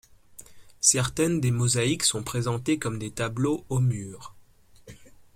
Certaines des mosaïques sont présentées comme des tableaux, au mur.